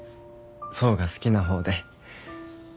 想が好きな方で。